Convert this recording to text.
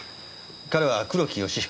彼は黒木芳彦。